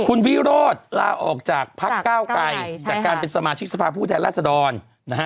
คุณวีโรดล่าออกจากภักดิ์เก้าไก่จากเก้าไก่ใช่ฮะจากการเป็นสมาชิกสภาพผู้แทนราชดรนะฮะ